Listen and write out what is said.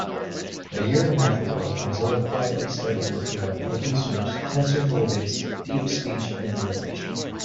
A year and a half ago, Mozilla quietly started working on an open source, TensorFlow-based DeepSpeech implementation.